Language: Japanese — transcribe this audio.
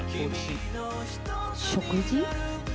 食事？